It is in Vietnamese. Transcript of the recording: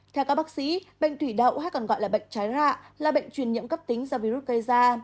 theo các bác sĩ bệnh thủy đậu hay còn gọi là bệnh trái rạ là bệnh truyền nhiễm cấp tính do virus gây ra